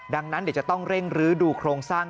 ดังนั้นเดี๋ยวจะต้องเร่งรื้อดูโครงสร้าง